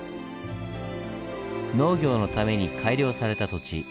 農業のために改良された土地